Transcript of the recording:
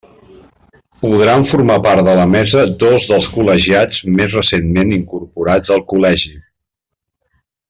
Podran formar part de la Mesa dos dels col·legiats més recentment incorporats al Col·legi.